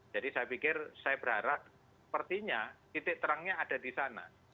jadi saya pikir saya berharap sepertinya titik terangnya ada di sana